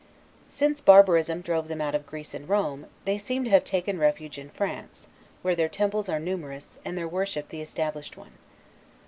Since barbarism drove them out of Greece and Rome, they seem to have taken refuge in France, where their temples are numerous, and their worship the established one.